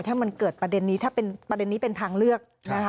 ถ้ามันเกิดประเด็นนี้ถ้าเป็นประเด็นนี้เป็นทางเลือกนะคะ